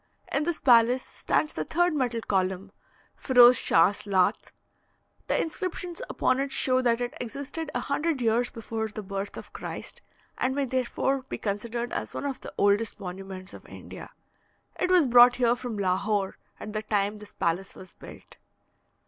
In this palace stands the third metal column Feroze Schachs Laht. The inscriptions upon it show that it existed a hundred years before the birth of Christ, and may therefore be considered as one of the oldest monuments of India. It was brought here from Lahore at the time this palace was built.